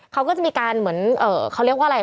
เขาก็จะมีการเหมือนเขาเรียกว่าอะไร